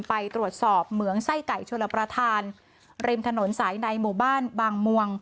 ไปตรวจสอบเหมืองไส้ไก่ชนประธานริมถนนสายในหมู่บ้านบางมวง